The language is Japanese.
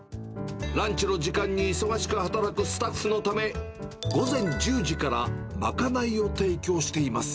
ランチの時間に忙しく働くスタッフのため、午前１０時から賄いを提供しています。